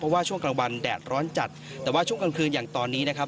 เพราะว่าช่วงกลางวันแดดร้อนจัดแต่ว่าช่วงกลางคืนอย่างตอนนี้นะครับ